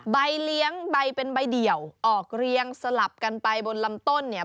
ใบเลี้ยงใบเป็นใบเดี่ยวออกเรียงสลับกันไปบนลำต้นเนี่ย